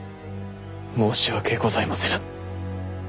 申し訳ございませぬ。